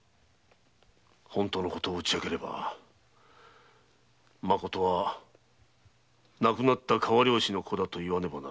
本当のことを打ち明ければまことは亡くなった川漁師の子だと言わねばならぬ。